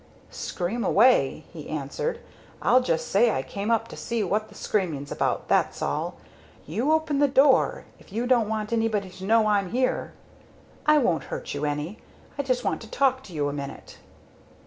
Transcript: "Scream away!" he answered. "I'll just say I came up to see what the screaming's about, that's all. You open the door if you don't want anybody to know I'm here! I won't hurt you any I just want to talk to you a minute."